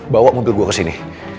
bawa mobil gue kesini